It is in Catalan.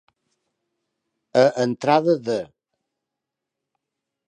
A entrada de.